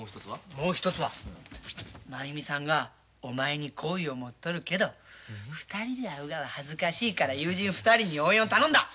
もう一つは真弓さんがお前に好意を持っとるけど２人で会うがは恥ずかしいから友人２人に応援を頼んだ。